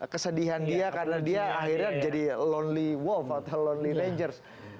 kesedihan dia karena dia akhirnya jadi lonely wolf atau lonelly dangers